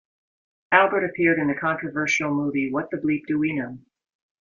Albert appeared in the controversial movie What the Bleep Do We Know!?